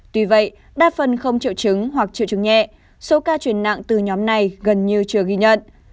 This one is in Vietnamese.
tuy vậy đa phần không triệu chứng hoặc triệu chứng nhẹ số ca chuyển nặng từ nhóm này gần như chưa ghi nhận